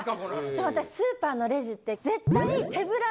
でも私スーパーのレジって絶対。